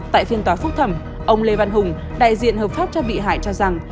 tại phiên tòa phúc thẩm ông lê văn hùng đại diện hợp pháp cho bị hại cho rằng